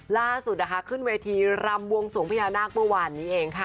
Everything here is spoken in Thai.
ล่าสุดนะคะขึ้นเวทีรำวงสวงพญานาคเมื่อวานนี้เองค่ะ